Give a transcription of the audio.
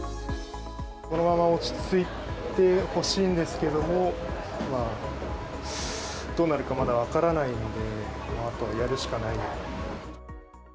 このまま落ち着いてほしいんですけども、どうなるかまだ分からないんで、あとはやるしかない。